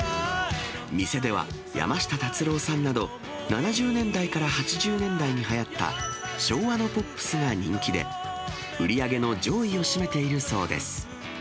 店では、山下達郎さんなど、７０年代から８０年代にはやった昭和のポップスが人気で、売り上げの上位を占めているそうです。